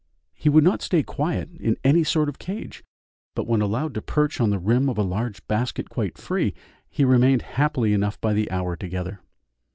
He would not stay quiet in any sort of cage, but when allowed to perch on the rim of a large basket quite free, he remained happily enough by the hour together.